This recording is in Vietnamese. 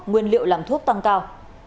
nguyên liệu làm thuốc tăng cao